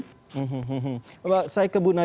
mbak saya kebetulan